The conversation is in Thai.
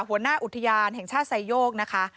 หัวหน้าอุทยานแห่งชาติไซโยกนะคะ